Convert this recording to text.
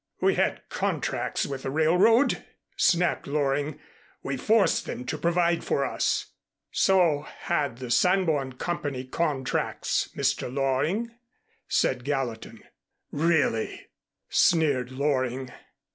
"We had contracts with the railroad," snapped Loring. "We forced them to provide for us." "So had the Sanborn Company contracts, Mr. Loring," said Gallatin. "Really!" sneered Loring.